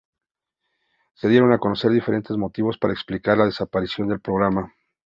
Se dieron a conocer diferentes motivos para explicar la desaparición del programa.